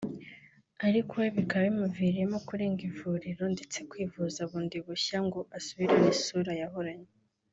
ariko we bikaba bimuviriyemo kurega ivuriro ndetse kwivuza bundi bushya ngo asubirane isura yahoranye